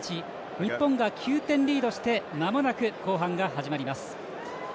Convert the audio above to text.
日本が９点リードしてまもなく後半が始まります。